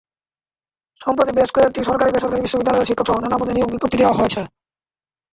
সম্প্রতি বেশ কয়েকটি সরকারি-বেসরকারি বিশ্ববিদ্যালয়ে শিক্ষকসহ নানা পদে নিয়োগ বিজ্ঞপ্তি দেওয়া হয়েছে।